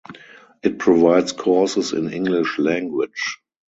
It provides courses in English language.